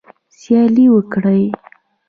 سیالي وکړئ